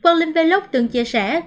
quang linh vlog từng chia sẻ